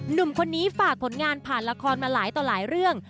หนุ่มคนนี้ฝากผลงานผ่านละครมาหลายต่อหลายเรื่อง